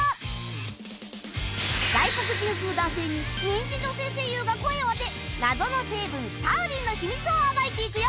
外国人風男性に人気女性声優が声を当て謎の成分タウリンの秘密を暴いていくよ